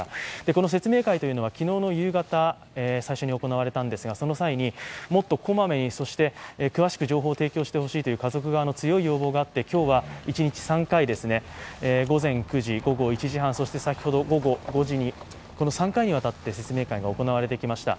この説明会は昨日の夕方、最初に行われたんですが、その際に、もっと小まめに、そして詳しく情報を提供してほしいと家族側の強い要望があって今日は一日３回、午前９時、午後１時半、そして先ほど午後５時の３回にわたって説明会が行われてきました。